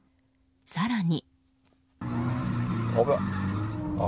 更に。